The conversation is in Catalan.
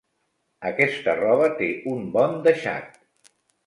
Aquesta roba té un bon deixat.